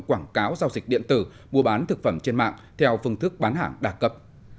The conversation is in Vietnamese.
quảng cáo giao dịch điện tử mua bán thực phẩm trên mạng theo phương thức bán hàng đa cập